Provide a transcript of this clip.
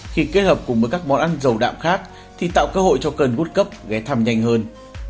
khi kết hợp cùng với các món ăn dầu đạm khác thì tạo cơ hội cho cơn gút cấp ghé thăm nhanh hơn